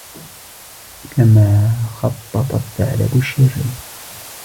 كما خطّط الثعلب الشرير